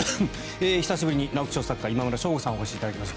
久しぶりに直木賞作家今村翔吾さんにお越しいただきました。